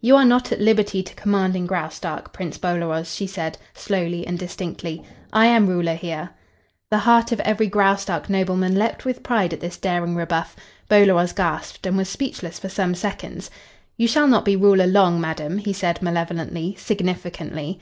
"You are not at liberty to command in Graustark, Prince Bolaroz," she said, slowly and distinctly. "I am ruler here." The heart of every Graustark nobleman leaped with pride at this daring rebuff. Bolaroz gasped and was speechless for some seconds. "You shall not be ruler long, madam," he said, malevolently, significantly.